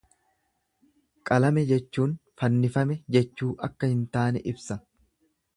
Qalame jechuun fannifame jechuu akka hin taane ibsa.